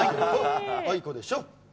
あいこでしょ。